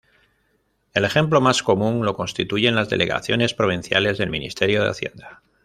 El ejemplo más común lo constituyen las delegaciones provinciales del Ministerio de Hacienda.